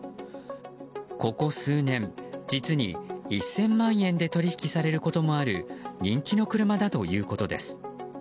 ここ数年、実に１０００万円で取引されることもある人気の車だということです。